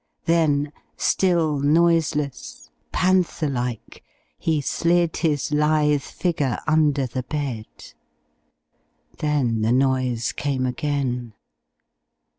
Then, still noiseless, panther like, he slid his lithe figure under the bed.... Then the noise came again.